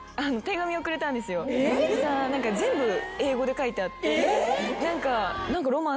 全部英語で書いてあって。